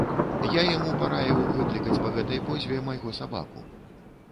Я яму параіў выклікаць па гэтай позве майго сабаку.